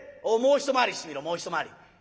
もう一回りしてみろもう一回り。